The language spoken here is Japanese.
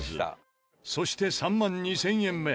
そして３万２０００円目。